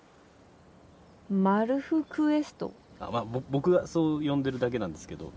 僕がそう呼んでるだけなんですけど。